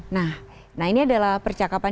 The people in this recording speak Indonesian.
nah ini adalah percakapan